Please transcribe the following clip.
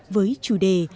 với chủ đề